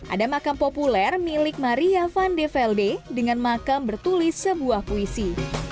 ada makam populer milik maria van de velbe dengan makam bertulis sebuah puisi